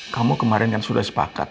kamu kemarin kan sudah sepakat